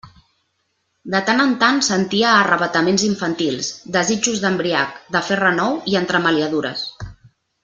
De tant en tant sentia arravataments infantils: desitjos d'embriac, de fer renou i entremaliadures.